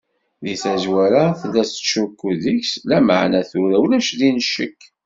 Di tazwara, tella tettcukku deg-s, lameɛna tura ulac din ccek.